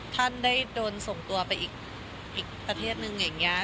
ท่านได้โดนส่งตัวไปอีกประเทศนึงอย่างนี้